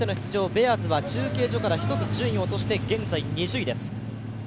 ベアーズは中継所から１つ順位を落として現在２０位です。